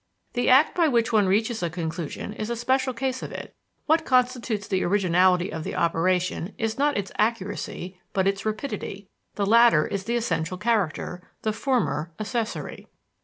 The act by which one reaches a conclusion is a special case of it. What constitutes the originality of the operation is not its accuracy, but its rapidity the latter is the essential character, the former accessory.